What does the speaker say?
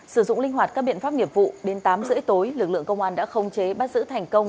sử dụng linh hoạt các biện pháp nghiệp vụ đến tám h ba mươi tối lực lượng công an đã không chế bắt giữ thành công